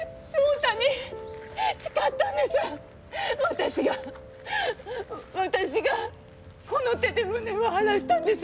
私が私がこの手で無念を晴らしたんです！